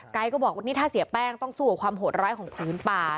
ก็บอกว่านี่ถ้าเสียแป้งต้องสู้กับความโหดร้ายของผืนป่า